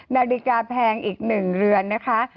นาฬิกาแพงอีก๑เรือนนะคะ